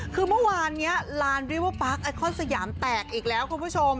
คือเมื่อวานนี้ลานริเวอร์ปาร์คไอคอนสยามแตกอีกแล้วคุณผู้ชม